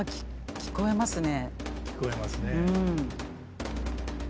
聞こえますね。